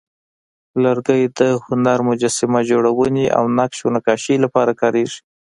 لرګی د هنر، مجسمه جوړونې، او نقش و نقاشۍ لپاره کارېږي.